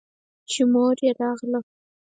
چې مور يې راغله.